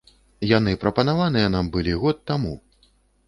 Яны прапанаваныя нам былі год таму.